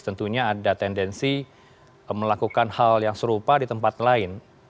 tentunya ada tendensi melakukan hal yang serupa di tempat lain